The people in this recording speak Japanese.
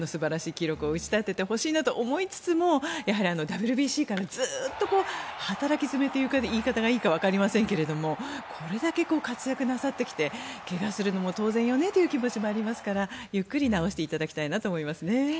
記録を打ち立ててほしいなと思いつつもやはり、ＷＢＣからずっと働き詰めという言い方がいいかわかりませんがこれだけ活躍なさってきて怪我するのも当然だという気持ちもありますからゆっくり治していただきたいなと思いますね。